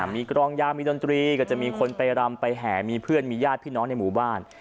มีกรองยาวมีดนตรีก็จะมีคนไปรำไปแห่มีเพื่อนมีญาติพี่น้องในหมู่บ้าน